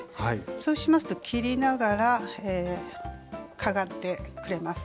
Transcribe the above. そうしますと切りながらかがってくれます。